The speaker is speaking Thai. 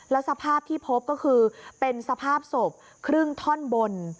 แล้วสภาพที่พบก็คือเป็นสภาพศพครึ่งท่อนบน